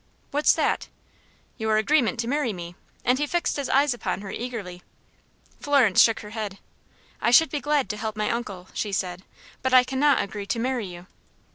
"What's that?" "Your agreement to marry me," and he fixed his eyes upon her face eagerly. Florence shook her head. "I should be glad to help my uncle," she said, "but I cannot agree to marry you."